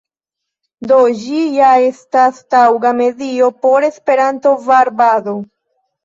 Do ĝi ja estas taŭga medio por Esperanto-varbado.